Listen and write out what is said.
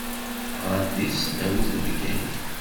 Ɣṛant di tesdawit n Bgayet.